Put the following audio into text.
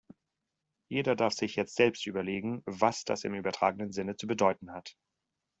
Jeder darf sich jetzt selbst überlegen, was das im übertragenen Sinne zu bedeuten hat.